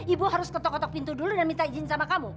ibu harus ketok ketok pintu dulu dan minta izin sama kamu